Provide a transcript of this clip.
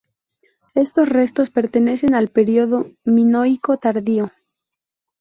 Estos restos pertenecen al periodo minoico tardío.